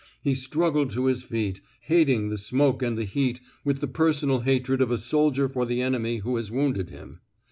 He struggled to his feet, hating the smoke and the heat with the personal hatred of a soldier for the enemy who has wounded him.